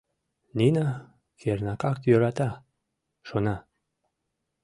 Нина кернакак йӧрата, шона.